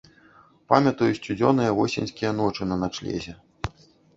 Памятаю сцюдзёныя восеньскія ночы на начлезе.